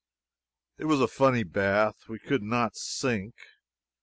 It was a funny bath. We could not sink.